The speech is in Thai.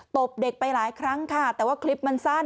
ตบเด็กไปหลายครั้งค่ะแต่ว่าคลิปมันสั้น